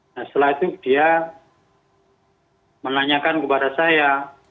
nah setelah itu dia menanyakan kepada saya